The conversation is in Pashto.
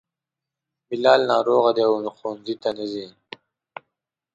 بلال ناروغه دی, ښونځي ته نه ځي